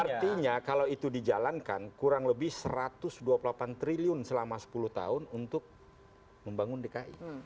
artinya kalau itu dijalankan kurang lebih satu ratus dua puluh delapan triliun selama sepuluh tahun untuk membangun dki